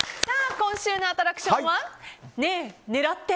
今週のアトラクションはねぇ狙って！